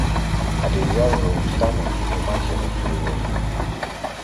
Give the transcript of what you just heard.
Але я ўжо ў стане ўспрымаць яго сур'ёзна.